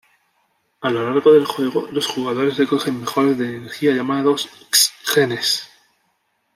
A lo largo del juego, los jugadores recogen mejoras de energía llamados "X-Genes".